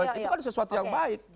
itu kan sesuatu yang baik